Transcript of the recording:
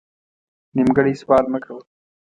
نیمګړی سوال مه کوه